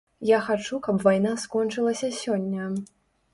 Я хачу, каб вайна скончылася сёння.